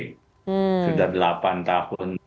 sudah delapan tahun